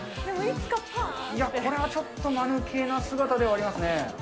いや、これはちょっとまぬけな姿ではありますね。